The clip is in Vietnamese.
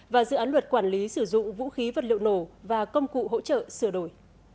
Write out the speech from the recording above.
và dự án luật quản lý sử dụng vũ khí vật liệu nổ và công cụ hỗ trợ sửa đổi